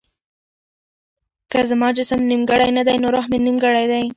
که زما جسم نيمګړی نه دی نو روح مې نيمګړی دی.